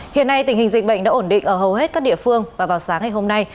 hiện nay tình hình dịch bệnh đã ổn định ở hầu hết các địa phương và vào sáng ngày hôm nay